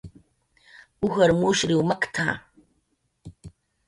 "Ujar mushriw makt""a"